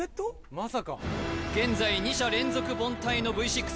まさか現在２者連続凡退のＶ６